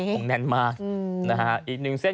คงแน่นมากนะฮะ